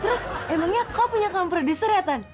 terus emangnya kau punya kamar produser ya tan